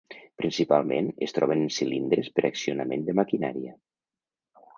Principalment, es troben en cilindres per accionament de maquinària.